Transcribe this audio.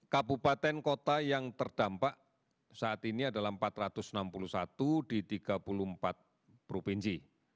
kabupaten kota yang terdampak saat ini adalah empat ratus enam puluh satu di tiga puluh empat provinsi